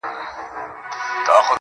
جنته ستا د مخ د لمر رڼا ته درېږم,